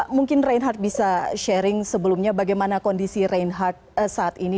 mungkin reinhardt bisa sharing sebelumnya bagaimana kondisi reinhard saat ini